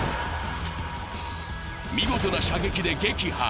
見事な射撃で撃破。